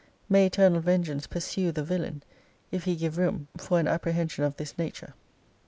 May eternal vengeance pursue the villain, if he give room for an apprehension of this nature!